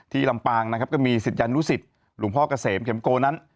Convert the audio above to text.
ที่ลำปางก็มีสิจญานุสิตหลุงพ่อกเกษมเขมโกนั้น